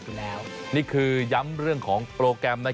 ก็จะมีความสนุกของพวกเรา